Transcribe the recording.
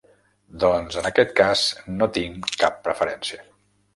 Doncs, en aquest cas, no tinc cap preferència.